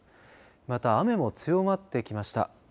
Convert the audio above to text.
また、雨も強まってきました。